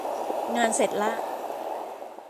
งานเสร็จละ